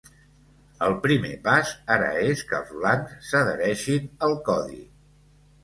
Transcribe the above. El primer pas ara és que els bancs s’adhereixin al codi.